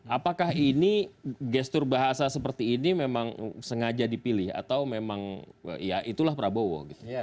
apakah ini gestur bahasa seperti ini memang sengaja dipilih atau memang ya itulah prabowo gitu